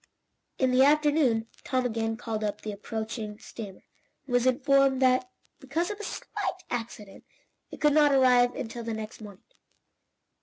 In the afternoon, Tom again called up the approaching steamer, and was informed that, because of a slight accident, it could not arrive until the next morning.